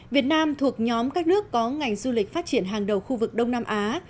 việt nam thuộc nhóm các nước có ngành du lịch phát triển hàng đầu khu vực đông nam á